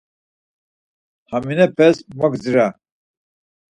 Haminepes mo gdzira.